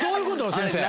先生。